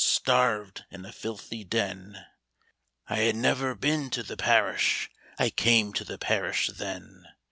Starved in a filthy den ; I had never been to the parish, — I came to the parish then.